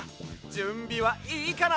じゅんびはいいかな？